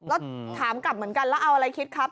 แล้วถามกลับเหมือนกันแล้วเอาอะไรคิดครับ